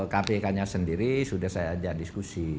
kpk nya sendiri sudah saya ajak diskusi